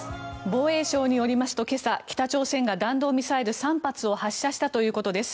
防衛省によりますと今朝、北朝鮮が弾道ミサイル３発を発射したということです。